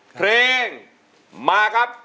เพลงมาครับ